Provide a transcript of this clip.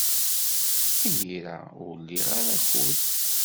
Imir-a, ur liɣ ara akud.